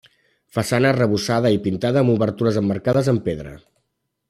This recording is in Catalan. Façana arrebossada i pintada amb obertures emmarcades en pedra.